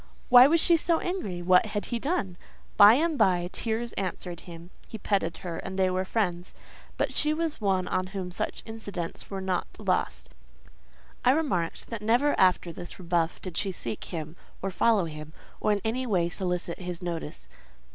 "Why was she so angry? What had he done?" By and by tears answered him; he petted her, and they were friends. But she was one on whom such incidents were not lost: I remarked that never after this rebuff did she seek him, or follow him, or in any way solicit his notice.